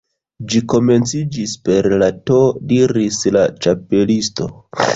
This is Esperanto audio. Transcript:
"Ĝi komenciĝis per la T" diris la Ĉapelisto.